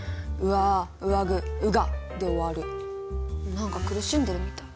何か苦しんでるみたい。